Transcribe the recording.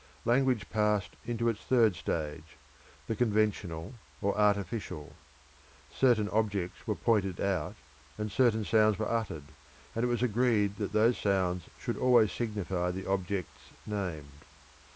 Language passed into its third stage the conventional or artificial. Certain objects were pointed out, and certain sounds were uttered, and it was agreed that those sounds should always signify the objects named.